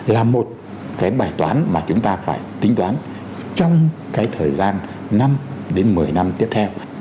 là một cái bài toán mà chúng ta phải tính toán trong cái thời gian năm đến một mươi năm tiếp theo